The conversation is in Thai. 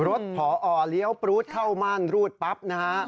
พอเลี้ยวปรู๊ดเข้าม่านรูดปั๊บนะฮะ